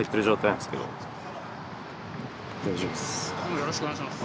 よろしくお願いします。